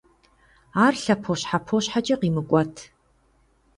Ар лъэпощхьэпо щхьэкӀэ къимыкӀуэт.